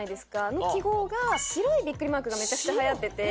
あの記号が白いビックリマークがめちゃくちゃ流行ってて。